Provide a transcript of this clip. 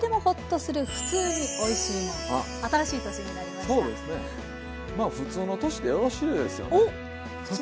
まあふつうの年でよろしいですよね。